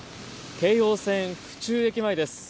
京王線、府中駅前です。